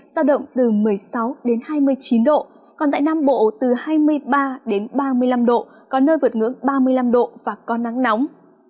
giao động từ một mươi sáu đến hai mươi chín độ còn tại nam bộ từ hai mươi ba đến ba mươi năm độ có nơi vượt ngưỡng ba mươi năm độ và có nắng nóng